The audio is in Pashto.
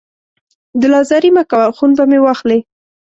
دل ازاري مه کوه، خون به مې واخلې